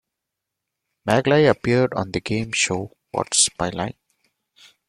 Maglie appeared on the game show What's My Line?